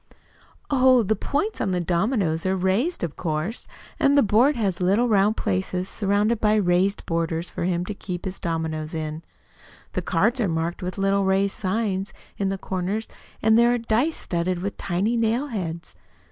"Oh, the points of the dominoes are raised, of course, and the board has little round places surrounded by raised borders for him to keep his dominoes in. The cards are marked with little raised signs in the corners, and there are dice studded with tiny nailheads.